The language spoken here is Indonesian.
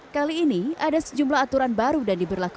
kali ini ada sejumlah aturan baru dan diberlakukan